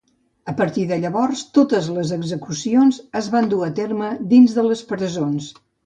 A partir de llavors, totes les execucions es van dur a terme dins de les presons.